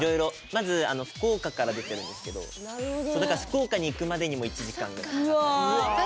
まず福岡から出てるんですけどそうだから福岡に行くまでにも１時間ぐらいかかった。